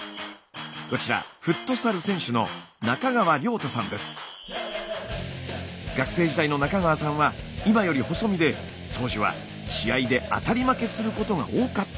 こちら学生時代の中川さんは今より細身で当時は試合で当たり負けすることが多かったそうです。